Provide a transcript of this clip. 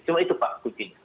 cuma itu pak kuncinya